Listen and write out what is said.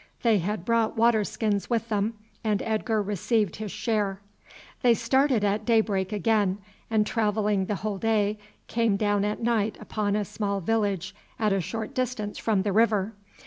They had brought water skins with them, and Edgar received his share. They started at daybreak again, and travelling the whole day came down at night upon a small village at a short distance from the river.